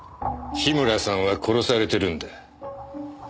樋村さんは殺されてるんだ。